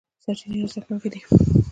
سرچینې ارزښتناکې دي.